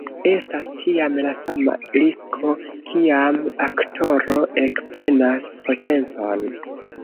Estas ĉiam la sama risko, kiam aktoro ekprenas potencon.